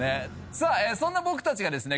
さあそんな僕たちがですね